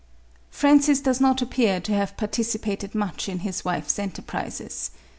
Francis does not appear to have participated much in his wife's enterprises.